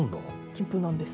金粉なんです。